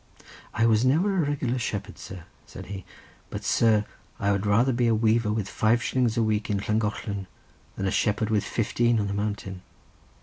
"I was never a regular shepherd, sir," said he. "But, sir, I would rather be a weaver with five shillings a week in Llangollen, than a shepherd with fifteen on the mountain.